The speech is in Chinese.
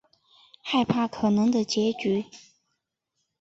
害怕可能的结局